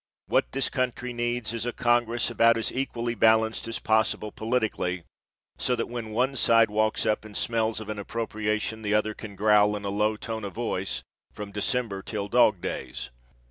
What this country needs is a congress about as equally balanced as possible politically, so that when one side walks up and smells of an appropriation the other can growl in a low tone of voice, from December till dog days.